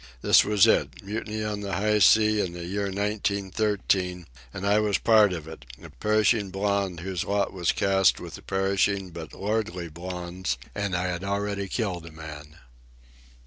This was it—mutiny on the high seas in the year nineteen thirteen—and I was part of it, a perishing blond whose lot was cast with the perishing but lordly blonds, and I had already killed a man.